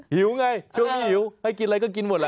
หิวไงช่วงนี้หิวให้กินอะไรก็กินหมดแหละ